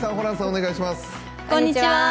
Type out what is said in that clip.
お願いします。